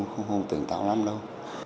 không tưởng tạo lắm đâu